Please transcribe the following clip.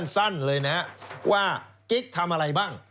สั้นเลยนะว่ากิ๊กทำอะไรบ้าง